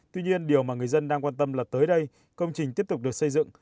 tuy nhiên điều mà người dân đang quan tâm là tới đây công trình tiếp tục được xây dựng